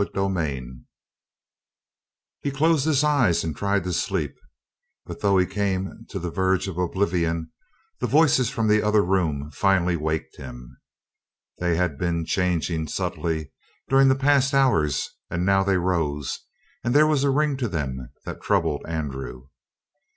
CHAPTER 39 He closed his eyes and tried to sleep, but, though he came to the verge of oblivion, the voices from the other room finally waked him. They had been changing subtly during the past hours and now they rose, and there was a ring to them that troubled Andrew.